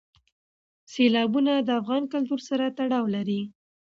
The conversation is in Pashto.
سیلابونه د افغان کلتور سره تړاو لري.